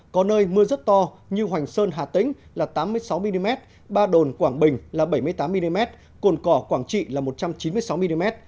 có nơi mưa rất to như hoành sơn hà tĩnh là tám mươi sáu mm ba đồn quảng bình là bảy mươi tám mm cồn cỏ quảng trị là một trăm chín mươi sáu mm